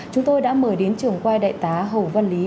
chúng tôi đã mời đến trưởng quay đại tá hầu văn lý